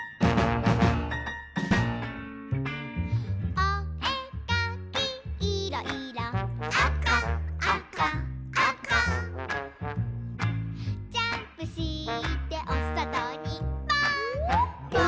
「おえかきいろ・いろ」「あかあかあか」「ジャンプしておそとにぽーん！」